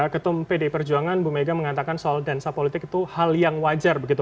ketum pdi perjuangan bu mega mengatakan soal dansa politik itu hal yang wajar begitu